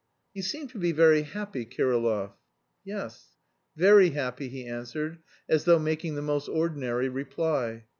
"You seem to be very happy, Kirillov." "Yes, very happy," he answered, as though making the most ordinary reply.